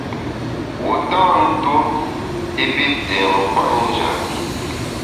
Wu tâ ntuo i pi tê nkwet njap bi.